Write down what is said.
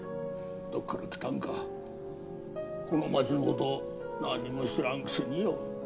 どっから来たんかこの町のこと何にも知らんくせによ。